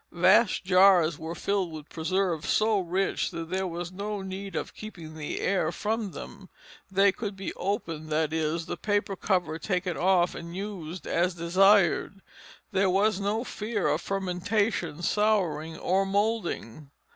Vast jars were filled with preserves so rich that there was no need of keeping the air from them; they could be opened, that is, the paper cover taken off, and used as desired; there was no fear of fermentation, souring, or moulding.